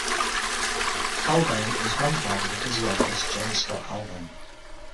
Haldane and his grandfather the physiologist John Scott Haldane.